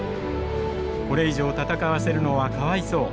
「これ以上戦わせるのはかわいそう。